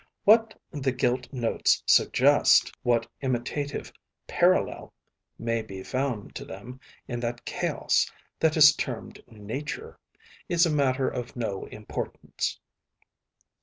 What the gilt notes suggest, what imitative parallel may be found to them in that chaos that is termed Nature, is a matter of no importance.